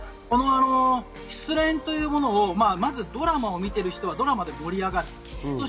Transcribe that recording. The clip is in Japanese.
失恋というものを待つドラマを見ている人はドラマで盛り上がる。